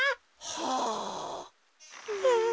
はあ。